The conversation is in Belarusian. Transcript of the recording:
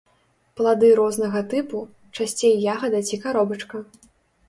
Плады рознага тыпу, часцей ягада ці каробачка.